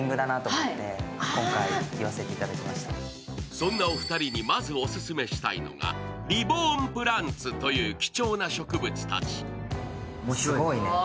そんなお二人にまずお勧めしたいのがリボーンプランツという貴重な植物たち。